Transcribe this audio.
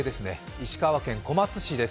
石川県小松市です。